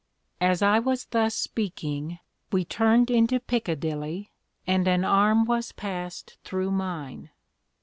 '" As I was thus speaking, we turned into Piccadilly, and an arm was passed through mine.